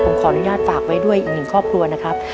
ผมขออนุญาตฝากไว้ด้วยอีกหนึ่งครอบครัวนะครับ